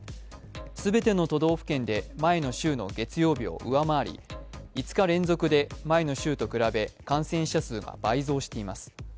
全ての都道府県で前の週の月曜日を上回り、５日連続で前の週と比べ感染者数が倍増しています。